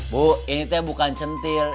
bu ini teh bukan centil